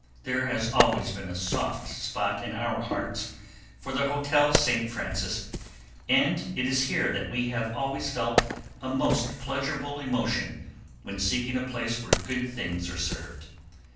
There has always been a soft spot in our hearts for the Hotel St. Francis, and it is here that we have always felt a most pleasurable emotion when seeking a place where good things are served.